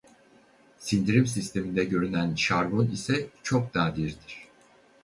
Sindirim sisteminde görülen şarbon ise çok nadirdir.